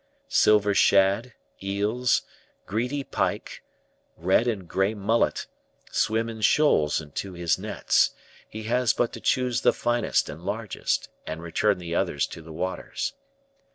Silver shad, eels, greedy pike, red and gray mullet, swim in shoals into his nets; he has but to choose the finest and largest, and return the others to the waters.